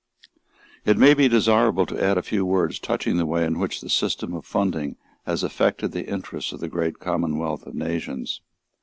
It may be desirable to add a few words touching the way in which the system of funding has affected the interests of the great commonwealth of nations.